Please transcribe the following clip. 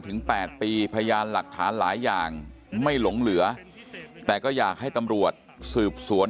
๘ปีพยานหลักฐานหลายอย่างไม่หลงเหลือแต่ก็อยากให้ตำรวจสืบสวน